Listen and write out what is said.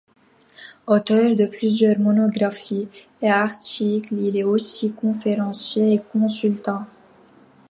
Auteur de plusieurs monographies et articles, il est aussi conférencier et consultant.